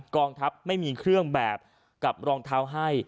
กองทัพไม่มีเครื่องแบบกับรองเท้าให้